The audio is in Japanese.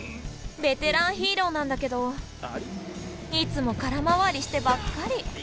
ベテランヒーローなんだけどいつも空回りしてばっかり。